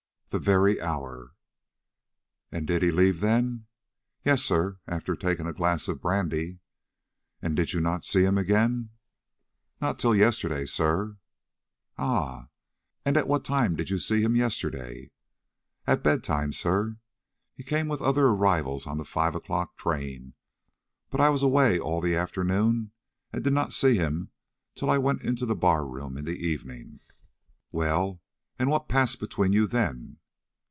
The very hour! "And did he leave then?" "Yes, sir; after taking a glass of brandy." "And did you not see him again?" "Not till yesterday, sir." "Ah, and at what time did you see him yesterday?" "At bedtime, sir. He came with other arrivals on the five o'clock train; but I was away all the afternoon and did not see him till I went into the bar room in the evening." "Well, and what passed between you then?"